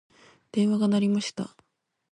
電話が鳴りました。